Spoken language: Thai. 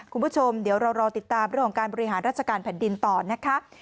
คุณผู้ชมเดี๋ยวเรารอติดตามเรื่องของการบริหารราชการแผ่นดินต่อนะคะ